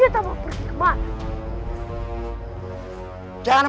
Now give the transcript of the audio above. kita tidak mempunyai pilihan lain